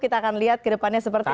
kita akan lihat kedepannya seperti apa